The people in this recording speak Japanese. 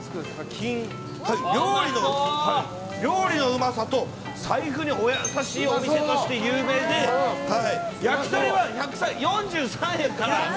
料理のうまさと財布にお優しいお店として有名で焼き鳥は１４３円から。